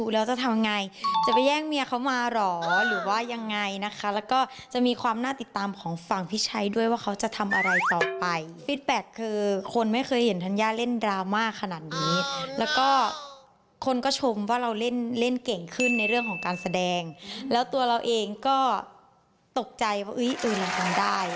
แล้วตัวเราเองก็ตกใจว่าไหนจะอื่นทางคนด้าย